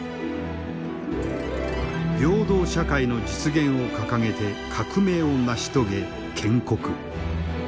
平等社会の実現を掲げて革命を成し遂げ建国。